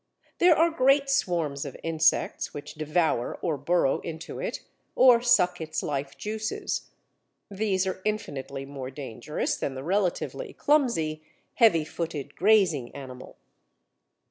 There are great swarms of insects which devour or burrow into it, or suck its life juices. These are infinitely more dangerous than the relatively clumsy, heavy footed, grazing animal.